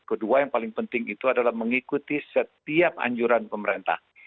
kedua yang paling penting itu adalah mengikuti setiap anjuran pemerintah